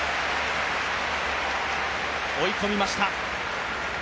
追い込みました。